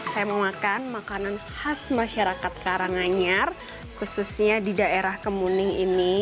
saya mau makan makanan khas masyarakat karanganyar khususnya di daerah kemuning ini